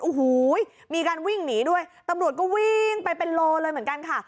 โอ้โหมีการวิ่งหนีด้วยตำรวจก็วิ่งไปเป็นโลเลยเหมือนกันค่ะ